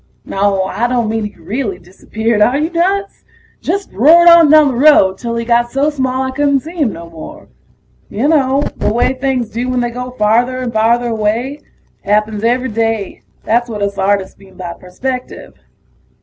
Naw, I don't mean he really disappeared are you nuts? Just roared on down the road till he got so small I couldn't see him no more. You know the way things do when they go farther and farther away. Happens every day; that's what us artists mean by perspective.